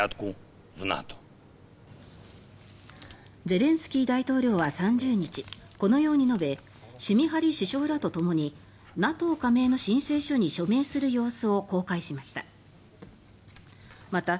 ゼレンスキー大統領は３０日このように述べシュミハリ首相らとともにＮＡＴＯ加盟の申請書に署名する様子を公開しました。